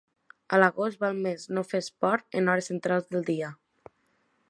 A l'agost val més no fer esport en hores centrals del dia.